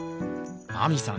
亜美さん